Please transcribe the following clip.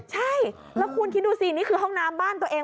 ใช่แล้วคุณคิดดูสินี่คือห้องน้ำบ้านตัวเอง